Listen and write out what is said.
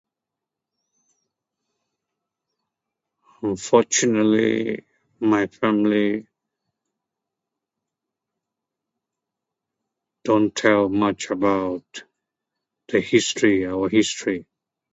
unfortunately my family don't tell much about the history or history